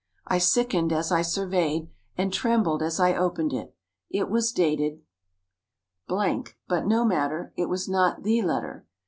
I sickened as I surveyed, and trembled as I opened it. It was dated , but no matter; it was not the letter.